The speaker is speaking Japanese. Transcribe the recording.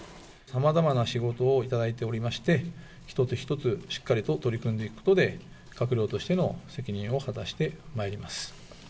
さまざまな仕事を頂いておりまして、一つ一つしっかりと取り組んでいくことで、閣僚としての責任を果たしてまいります。